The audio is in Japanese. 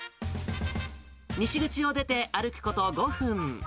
西口を出て歩くこと５分。